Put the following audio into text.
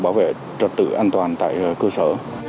bảo vệ trật tự an toàn tại cơ sở